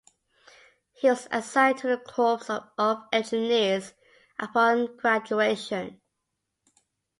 He was assigned to the Corps of Engineers upon graduation.